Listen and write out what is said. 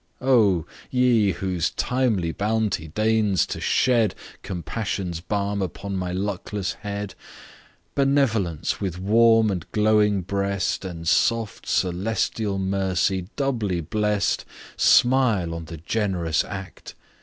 Oh! ye, whose timely bounty deigns to shed Compassion's balm upon my luckless head, Benevolence, with warm and glowing breast, And soft, celestial mercy, doubly bless'd! Smile on the generous act!